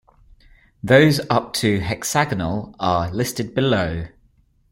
Those up to hexagonal are listed below.